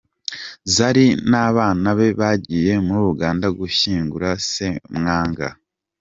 Zari n’abana be bagiye muri Uganda gushyingura Ssemwanga.